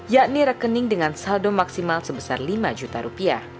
yakni rekening dengan saldo maksimal sebesar lima juta rupiah